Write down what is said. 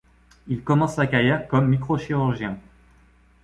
Il commence sa carrière comme microchirurgien.